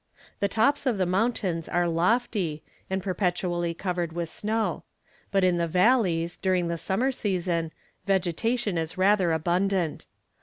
The tops of the mountains are lofty, and perpetually covered with snow; but in the valleys, during the summer season, vegetation is rather abundant.